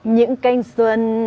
những canh xuân